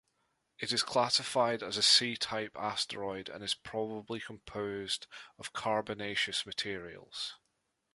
It is classified as a C-type asteroid and is probably composed of carbonaceous materials.